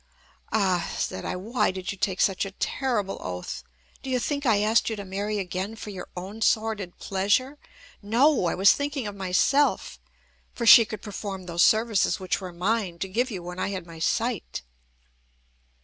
"Ah!" said I, "why did you take such a terrible oath? Do you think I asked you to marry again for your own sordid pleasure? No! I was thinking of myself, for she could perform those services which were mine to give you when I had my sight."